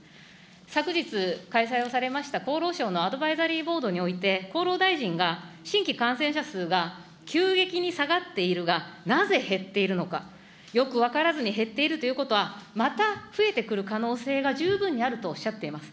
昨日、開催をされました厚労省のアドバイザリーボードにおいて、厚労大臣が新規感染者数が急激に下がっているが、なぜ減っているのか、よく分からずに減っているということは、また増えてくる可能性が十分にあるとおっしゃっています。